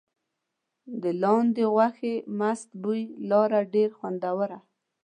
د لاندي غوښې مست بوی لاره ډېر خوندور.